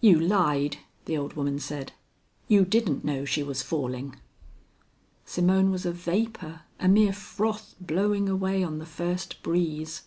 "You lied," the old woman said. "You didn't know she was falling." Simone was a vapor, a mere froth blowing away on the first breeze.